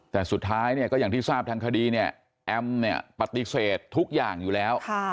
แต่สุดท้ายเนี่ยก็อย่างที่ทราบทางคดีเนี่ยแอมเนี่ยปฏิเสธทุกอย่างอยู่แล้ว